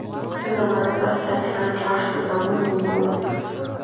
څه زمانه پس دا سړی مړ شو زامنو ئي وويل: